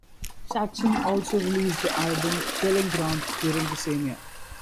Saxon also released the album "Killing Ground" during the same year.